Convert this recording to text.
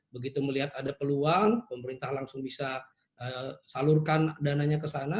begitu melihat ada peluang pemerintah langsung bisa salurkan dananya ke sana